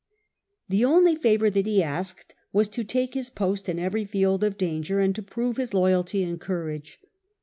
The only favour that he asked was to take his post in every field of danger, and to prove his loyalty and courage.